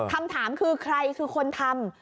คำถามคือใครคือคนทำ